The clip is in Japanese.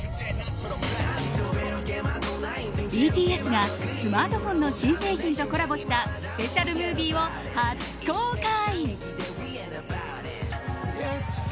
ＢＴＳがスマートフォンの新製品とコラボしたスペシャルムービーを初公開。